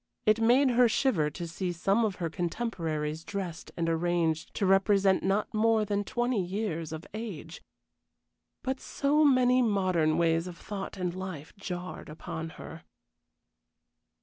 It made her shiver to see some of her contemporaries dressed and arranged to represent not more than twenty years of age. But so many modern ways of thought and life jarred upon her!